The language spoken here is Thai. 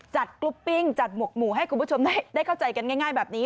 กรุ๊ปปิ้งจัดหมวกหมูให้คุณผู้ชมได้เข้าใจกันง่ายแบบนี้